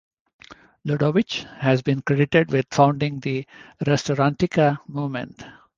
Ludovic has been credited with founding the Restaurantica movement.